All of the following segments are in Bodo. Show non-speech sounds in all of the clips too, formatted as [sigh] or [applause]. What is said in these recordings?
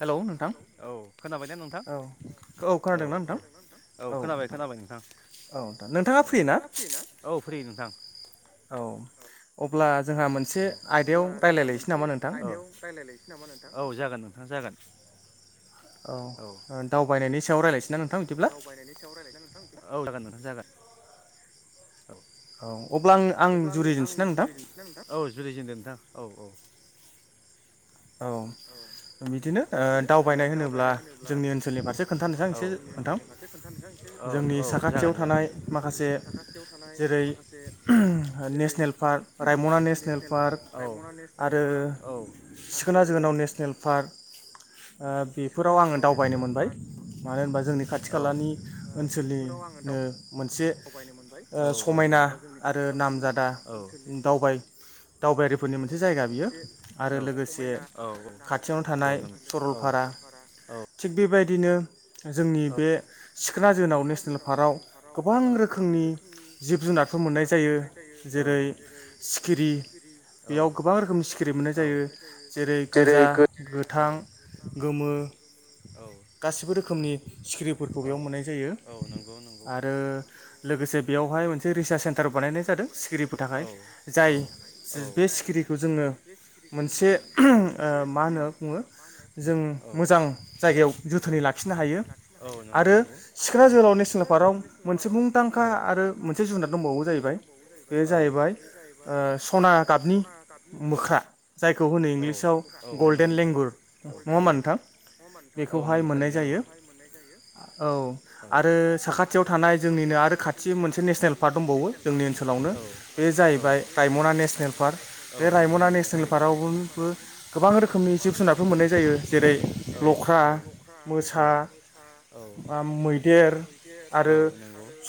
हेल' नोंथां। औ खोनाबाय ने नोंथां औ औ औ खोनाबाय खोनाबाय नोंथां। औ औ नोंथाङा फ्रि ना औ फ्रि नोंथां। औ। अब्ला जोंहा मोनसे आयदायाव रायलायलायनोसै नामा नोंथां? औ जागोन नोंथाङ जागोन। औ ओ दावबायनायनि सायाव रायज्लायनोसै। दावबायनायनि सायाव रायजलायनो नोंथां? औ जागोन नोंथां जागोन। औ अब्ला आं आं जुरिजेनसै ना नोंथां? नोंथां औ औ। औ बिदिनो ओ दावबायनाय होनोब्ला जोंनि ओनसोलनि फारसे खोन्थानोसां एसे नोंथां जोंनि साखाथियाव थानाय माखासे जेरै उमह नेसनेल पार्क रायमना नेसनेल पार्क आरो सिखोना जोहोलाउ नेसनेल पार्क ओ बेफोराव आङो दावबायनो मोनबाय। मानो होनबा जोंनि खाथि खालानि ओनसोलनिनो मोनसे ओ समाय ना आरो नामजादा दावबाय दावबायारिफोरनि मोनसे जायगा बियो आरो लोगो समायना औ औ नंगौ औ सरलफारा औ। बिदिनो जोंनि बे सिखोना जोहोलाउ नेसनेल पार्कआव गोबां रोखोमनि जिब जुनारफोर खौ मोननाय जायो जेरै सिखिरि बेयाव गोबां रोखोमनि सिखिरि मोननाय जायो। जेरै गोजा गोथां गोमो गासिबो रोखोमनि सिखिरिफोरखौ बेयाव मोननाय जायो आरो लोगोसे बेयावहाय मोनसे रिसार्च सेन्टार बानायनाय जादों सिखिरिफोरनि थाखाय जाय ज बे सिखिरिखौ जोङो मोनसे औ एसे मा होनो बुङो औ जों मोजां जायगायाव जोथोनै लानो आरो सिखोना जोहोलाव नेसनेल पार्कआव मोनसे मुंदांखा आरो मोनसे जुनार दंबावो जायो बे जाहैबाय सना गाबनि मोख्रा खौ होनो इंलिशाव गल्डेन लेंगुर नङामा नोंथां बेखौहाय मोननाय जायो औ आरो साखाथियाव थानाय जोंनि नो आरो खाथि मोनसे नेसनेल पार्क दंबावो जोंनि ओनसोलावनो बे जाहैबाय रायमना नेसनेल पार्क बे रायमना नेसनेल पार्कआवबो बो गोबां रोखोमनि जिब जुनारफोर मोननाय जायो जेरै लख्रा मोसा मोसा औ मैदेर औ नंगौ आरो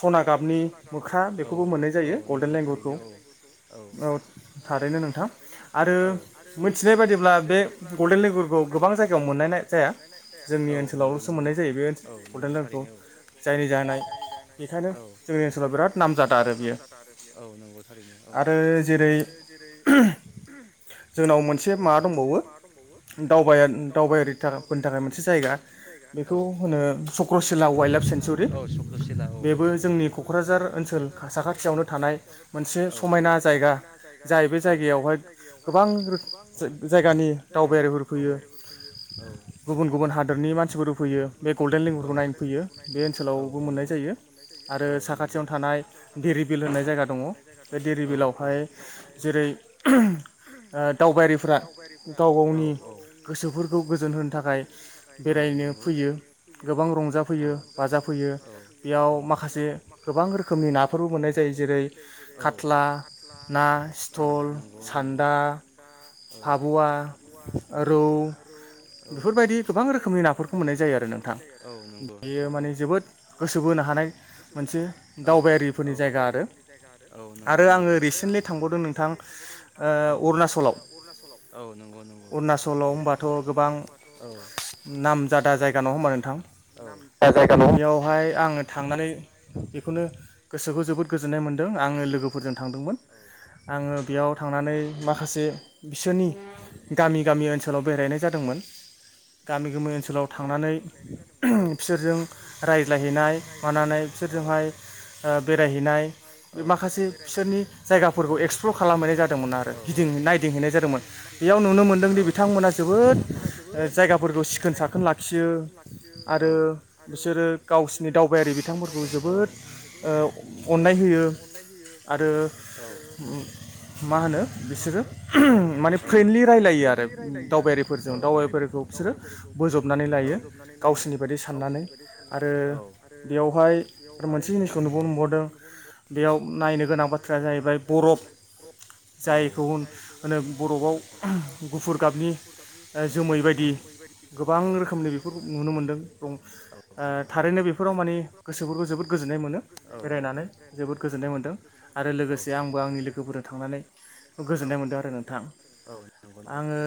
सना गाबनि औ मोननाय जायो गलडेन लेंगुरखौ। औ थारैनो नोंथां आरो मिथिनाय बायदिब्ला बे गल्डेन लेगुरखौ गोबां जायगायाव मोननाय जाया। जोंनि ओनसोलावलसो मोननाय जायो बे गल्डेन लेंगुरखौ जायनि जानाय बेनिखायनो जोंनि ओनसोलाव बिराद नाम जादा। बिराद नामजादा आरो बेयो औ नंगौ थारैनो औ आरो जेरै [inaudible] जोंनाव मोनसे माबा दंबावो दावबाय दावबायारिफोरनि थाखाय मोनसे जायगा। बेखौ होनो चक्रसिला वाइल्ड लाइफ सेंसुरि। बेबो जोंनि कक्राझार ओनसोल साखाथियावनो थानाय मोनसे समायना जायगा जाय बे जायगायावहाय गोबां रोखोमनि जायगानि दावबायारि फैयो औ गुबुन गुबुन हादरनि मानसिफोरबो फैयो बे गल्डेन लेंगुरखौ नायनो फैयो बे ओनसोलावबो मोननाय जायो। आरो साखाथियाव थानाय देरि बिल होननाय जायगा दङ बे देरि बिलावहाय जेरै [unintelligible] ओ दावबायारिफ्रा गाव गावनि गोसोफोरखौ गोजोन होनो थाखाय बेरायनो फै- फैयो गोबां रंजा फैयो बाजा फैयो बेयाव माखासे गोबां रोखोमनि ना- फोरबो मोननाय जायो जेरै खातला ना सिथल सान्दा [inaudible] फाबुवा रौ बेफोरबायदि गोबां रोखोमनि नाफोरखौ मोननाय जायो आरो नोंथां। बेयो माने जोबोद गोसो बोनो हानाय मोनसे दावबायारिफोरनि जायगा आरो। [inaudible] फोरनि जायगा आरो औ नंगौ नंगौ आरो आं रिसोनलि थांबावदों नोंथां औ सलाव अरुणाचलाव औ औ नंगौ नंगौ औ औ अरुणाचलाव होनबाथ' बां- नङा होमबा नोंथां। बेयावहाय आंङो थांनानै बेखौनो गोसोखौ जोबोद गोजोननाय मोनदों आंङो लोगोफोरजों थांदोंमोन आंङो बेयाव थांनानै माखासे बिसोरनि गामि गामि ओनसोलाव बेरायनाय जादोंमोन। गामि गामि ओनसोलाव थांनानै बिसोरजों रायज्लायहैनाय मानानै बिसोरजों बेवहाय बेरायहैनाय बे माखासे बिसोरनि जायगाफोरखौ एक्सप्लर खालामबनाय जादोंमोन आरो। गिदिंहैनाय- दिंहैनाय जादोंमोन। बेयाव नुनो मोन्दोंदि बिथांमोना जोबोद जायगाफोरखौ सिखोन साखोन लाखियो। साखोन लाखियो औ आरो बिसोरो गाव गाव जोबोद अननाय होयो आरो मा होनो बिसोरो माने फ्रेन्डलि रायलायो आरो दावबायारिफोरजों दावबायारिखौ बिसोरो बोजबनानै ला- बोजबनानै लायो गावसोरनि बायदि साननानै आरो बेयावहाय [unintelligible] बेयाव नायनो गोनां बाथ्राया जाहैबाय बरफ जायखौ होनो बर'आव गुफुर गाबनि आतसा औ जोमै बादि गोबां रोखोमनि बेफोरखौ नुनो मोनदों ओ थारैनो बेफोराव माने गोसोफोरखौ जोबोद गोजोननाय मोनो बेरायनानै जोबोद आरो लोगोसे आंबो आंनि लोगोफोरजों थांनानै गोजोन्नाय मोनदों आरो नोंथां। आंङो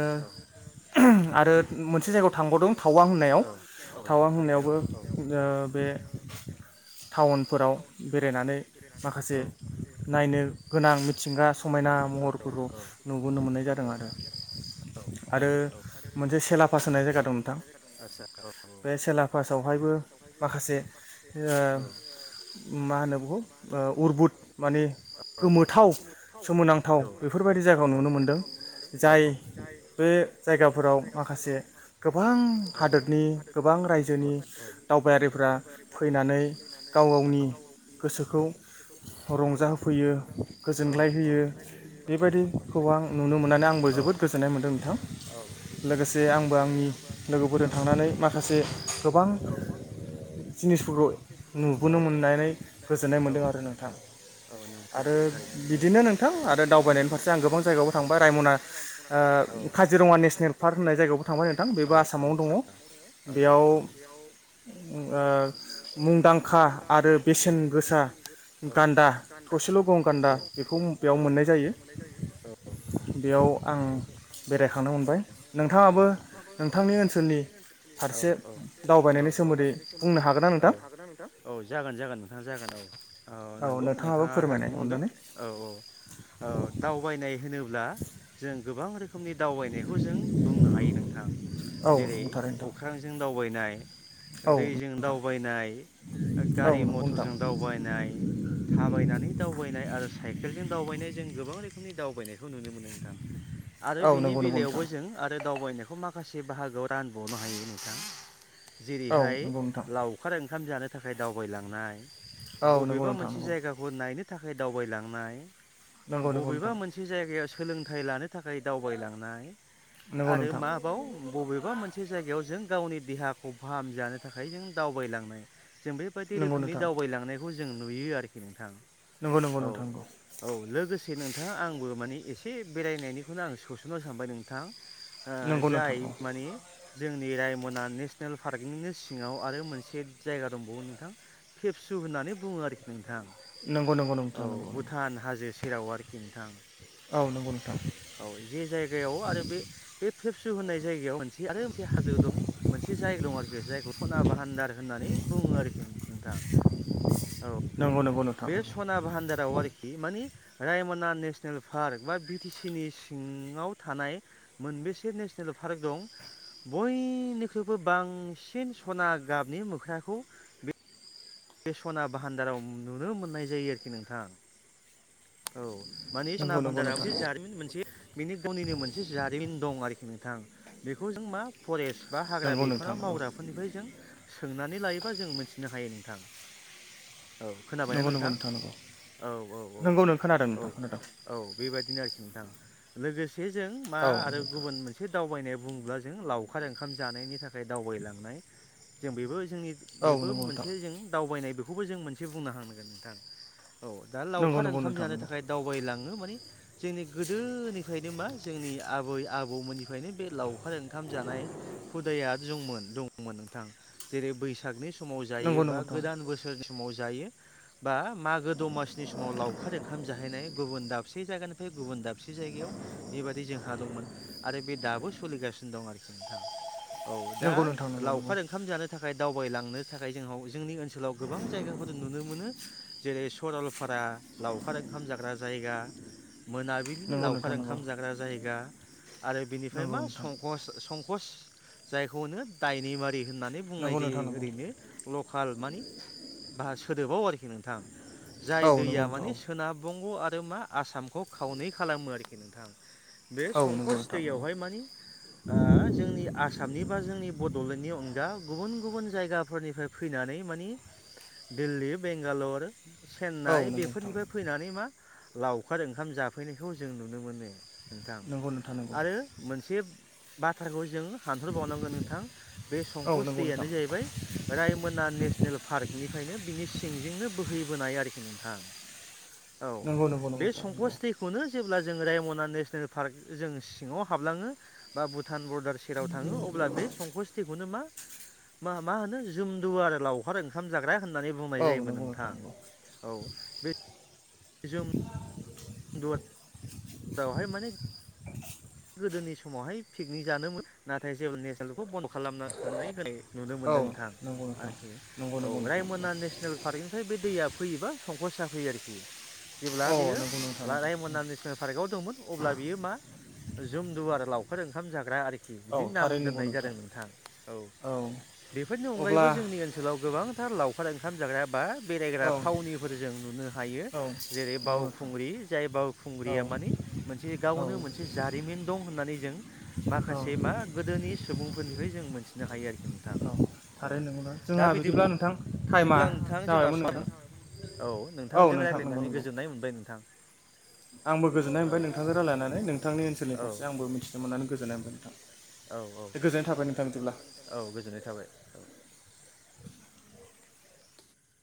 आरो मोनसे थांबावदों टावां होननायाव थावां होननायावबो बे टाउनफोराव बेरायनानै माखासे नायनो गोनां मिथिंगा समायना महर नुबोनो मोननाय जादों आरो। आरो मोनसे सेला पास होननाय जायगा दं नोंथां। बे सेला पासावहायबो माखासे ओ मा होनो बु ओ उरबुद माने गोमोथाव सोमोनांथाव बेफोरबायदि जायगायाव नुनो मोनदों। जाय बे जायगाफोराव माखासे गोबां हादोरनि गोबां रायजोनि दावबायारिफोरा फैनानै गाव गावनि गोसोखौ रंजा होफैयो गोजोनग्लाय होयो बेबायदिखौ आं नुनो मोननानै आंबो जोबोद गोजोननाय मोन्दों नोंथां। लोगोसे आंबो आंनि लोगोफोरदो थांनानै माखासे गोबां। जिनिसफोरबो नुबोनो मोननानै गोजोननाय मोन्दों आरो नोंथां। आरो बिदिनो नोंथां आरो दावबायनायनि फारसे आं गोबां जायगायावबो थांबाय रायमना आ काजिरङा नेसनेल पार्क होननाय जायगायावबो थांबाय नोंथां बेबो आसामावनो दङ बेयाव ओ मुंदां खा आरो बेसेन गोसा गान्दा थसेल' गं गान्दा बेखौ बेयाव मोननाय जायो। मोननाय जायो औ औ। बेयाव आं- बेरायखांनो मोनबाय नोंथाङाबो नोंथांनि ओनसोलनि औ औ औ औ दावबायनाय नि सोमोन्दै औ बुंनो हागोन ना नोंथां औ जागोन जागोन नोंथां जागोन औ। औ नंगौ नोंथाङा थारखौनो मोनदों औ औ औ दावबायनाय होनोब्ला जों गोबां रोखोमनि दावबायनायखौ जों बुंनो हायो नोंथां जेरै अ ख्रांजों दावबायनाय दैजों दावबायनाय गारि मथरजों दावबायनाय थाबायनानै दावबायनाय आरो साइकेलजों दावबायनाय जों गो बां रोखोमनि दावबायनायखौ नुनो मोनो नोंथां आरो बिनि बेलायावबो जों आरो दावबायनायखौ मा खासे बाहागोआव रानबावनो हायो नोंथां जेरैहाय लावखार ओंखाम जानो। थाखाय दावबायलांनाय बबेबा मोनसे जायगाखौ नायनो थाखाय दावबायलांनाय बबेबा मोनसे जायगायाव सोलोंथाइ लानो थाखाय दावबायलांनाय आरो माबाव बबेबा मोनसे जायगायाव जों गावनि देहाखौ फाहाम जानो थाखाय जों दावबायलांनाय जों बेबायदि रोखोमनि दावबायलांनायखौ जों नुयो आरोखि नोंथां औ औ लोगोसे नों थाङा आंबो माने एसे बेरायनायनिखौनो आं सोसेल' सानबाय नोंथां। ओ जाय माने जों। नि रायमना नेसनेल पार्कनिनो सिङाव आरो मोनसे जायगा दंबावो नोंथां। खेबसु होननानै बुङो आरोखि नोंथां। औ भुटान हाजो सेराव आरोखि नोंथां। औ जे जायगायाव आरो बे बे फेबसु होननाय जायगायाव मोन से आरो मोनसे हाजो दं मोनसे जायग्रं जायखौ सना बाहान्दार होननानै बुङो आरोखि नोंथां औ बे सना भाहान्दाराव आरोखि माने रायमना नेसनेल पार्क मा बि टि सि नि सिङाव थानाय मोनबेसे नेसनेल पार्क दं बयनिख्रुइबो बांसिन सना गाबनि मोख्राखौ बे सना भान्दाराव नुनो मोननाय जायो आरोखि नोंथां। औ। माने सना भान्दारा मोनसे जारिमिन मोनसे बिनि गावनिनो मोनसे जारिमिन दं आरोखि नों उम बेखौ जों मा फरेस्ट बा हाग्रा बिफाना मावग्राफोरनिफ्राय जों सोंनानै लायोबा जों मिन्थिनो हायो नों थां औ खोनाबायना नोंथां? औ औ औ। औ औ बेबायाददिनो आरोखि नोंथां लोगोसे जों मा आरो गुबुन मोनसे दावबायनाय बुंङोब्ला जों लावखार ओंखाम जानायनि थाखाय दावबायलांनाय जों बेबो जोंनि बेबो मोनसे जों दावबायनाय बेखौबो जों मोनसे बुंना होनांगोन नोंथां। औ दा लावखार ओंखाम जानो थाखाय दावबाय लां नो माने जोंनि गोदोनिफ्रायनो मा जोंनि आबै आबौमोननिफ्रायनो बे लावखार ओं खाम जानाय हुदाया जोंमोन दंमोन नोंथां जेरै बैसागनि समाव जायो बा गोदान बोसोरनि समाव जायो बा माग खार ओंखाम जाहैनाय गुबुन दाबसे जायगानिफ्राय गुबुन दाबसे जायगायाव बेबायदि जोंहा दंमोन। आरो बे दाबो सोलिगासिनो दं आरोखि नोंथाङा औ दा लावखार ओंखाम जानो थाखाय दावबायलांनो थाखाय जों जोंनि ओनसोलाव गोबां जायगाफोर नुनो मोनो जेरै सरलपारा लावखार ओंखाम जाग्रा जायगा, मोनाबिलि लावखार ओंखाम जाग्रा जायगा आरो बिनिफ्राय मा संकस संकच जायखौ होनो दायनिमारि होननानै बुंनाय जायो ओरैनो लकाल मानि बा सोदोबाव आरोखि नोंथां। जाय दैया माने बंग' आरो मा आसामखौ खावनै खालामो आरोखि नोंथां। बे संकस दैयावहाय माने ओ जोंनि आसा मनि बा जोंनि बड'लेण्डनि अनगा गुबुन गुबुन जायगाफोरनिफ्राय फैनानै माने दिल्ली, बेंगालर, चेन्नाइ बेफोरनिफ्राय मा लावखार ओंखाम जाफैनायखौ जों नुनो मोनो। नोंथां आरो मोनसे बाथ्राखौ जों हानथारबावनांगोन नोंथां बे संकस दैेयानो जाहैबाय रायमना नेस नेल पार्कनिफ्रायनो बिनि सिंजोंनो बोहैबोनाय आरोखि नोंथां। औ बे संकस दैखौनो जेब्ला जोङो रायमना नेसनेल पार्क जों सिङाव हाबलाङो बा भुटान बरडार सेराव थाङो अब्ला बे संकस दैखौनो मा मा मा होनो जुमदुवार लावखार ओंखाम जाग्रा होननानै बुंनाय जायोमोन नोंथां। औ बे जों नावयहाय माने [unintelligible] [inaudible] गोदोनि समावहाय पिकनिक जानोमोनोमान नाथाय जेब्ला नेसनेलखौ बन्द' खालामना होनानाय होनाय नुनो मोनदों। [unintelligible] नोंथां। आरोखि औ रायमना नेसनेल पार्कनिफ्राय बे दैया फैयोबा संकस जाफैयो आरोखि। जेब्ला बेयो [inaudible] दंमोन अब्ला बियो मा जुमदुवार लावखार ओंखाम जाग्रा आरोखि बिदि नाम दोननाय जादों नोंथां। औ बेफोरनि अनगायैबो जोंनि ओनसोलाव गोबां लावखार ओंखाम जाग्रा बा बेरायग्रा थावनिफोरजों नुनो हायो जेरै बावखुंग्रि जाय बाव खुंग्रिया माने मोनसे गावनो मोनसे जारिमिन दं होननानै जों माखासे मा गोदोनि सुबुंफोरनिफ्राय जों मोनथिनो हायो। औ थारैनो नंगौना जोंहा बिदिब्ला नोंथां। बिदिब्ला नोंथां जोंना समा औ नोंथांजों रायज्लायनानै गोजोननाय मोनबाय नोंथां। [unintelligible] आंबो गोजोननाय मोनबाय नोंथांखौ रायज्लायनानै नोंथांनि ओनसोलनि फारसे आं मिथिनो मोननानै गोजोननाय मोनबाय नोंथां। औ औ औ गोजोननाय थाबाय औ। [inaudible]